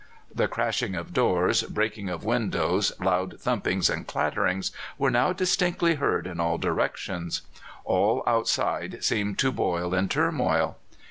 The crashing of doors, breaking of windows, loud thumpings and clatterings, were now distinctly heard in all directions. All outside seemed to boil in turmoil.